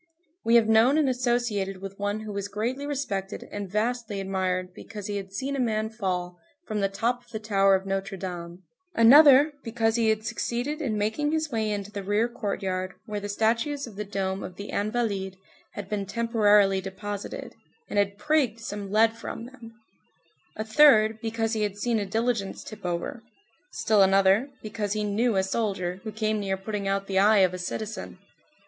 We have known and associated with one who was greatly respected and vastly admired because he had seen a man fall from the top of the tower of Notre Dame; another, because he had succeeded in making his way into the rear courtyard where the statues of the dome of the Invalides had been temporarily deposited, and had "prigged" some lead from them; a third, because he had seen a diligence tip over; still another, because he "knew" a soldier who came near putting out the eye of a citizen.